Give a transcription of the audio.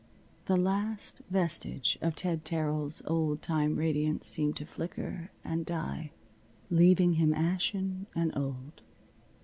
The last vestige of Ted Terrill's old time radiance seemed to flicker and die, leaving him ashen and old.